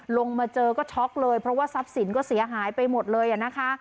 ลงมาเจอก็ช็อกเลยเพราะว่าทรัพย์สินก็เสียหายไปหมดเลยนะคะ